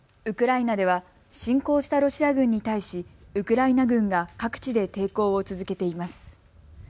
ウクライナでは侵攻したロシア軍に対しウクライナ軍が各地で抵抗を続けています。